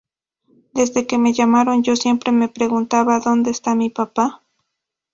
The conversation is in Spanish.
Desde que me llamaron, yo siempre me preguntaba, '¿Dónde está mi papá?